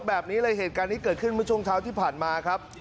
แบบนี้เลยเหตุการณ์นี้เกิดขึ้นเมื่อช่วงเช้าที่ผ่านมาครับ